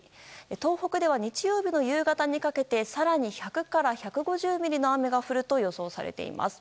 東北では日曜日の夕方にかけて更に１００から１５０ミリの雨が降ると予想されています。